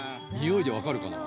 匂いで分かるかな？